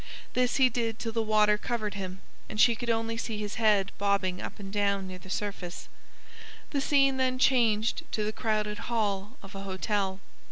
This he did till the water covered him, and she could only see his head bobbing up and down near the surface. The scene then changed to the crowded hall of a hotel.